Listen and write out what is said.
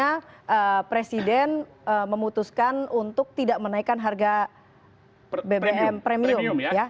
karena presiden memutuskan untuk tidak menaikkan harga bbm premium